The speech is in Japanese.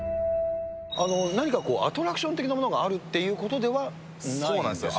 何かアトラクション的なものがあるっていうことではないんですよね。